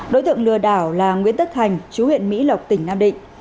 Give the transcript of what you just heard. đối tượng lừa đảo là nguyễn tất thành chú huyện mỹ lộc tỉnh nam định